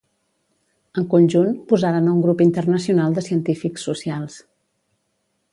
En conjunt, posaren a un grup internacional de científics socials.